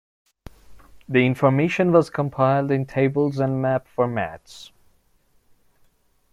The information was compiled in tables and map formats.